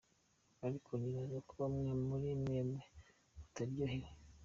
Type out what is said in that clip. "Ariko nibaza ko bamwe muri mwebwe mutaryohewe.